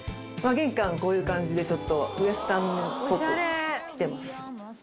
玄関こういう感じでちょっとウエスタンっぽくしてます。